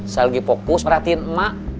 saya lagi fokus perhatiin emak